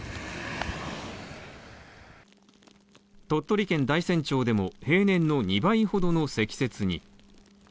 鳥取県大山町でも平年の２倍ほどの積雪に。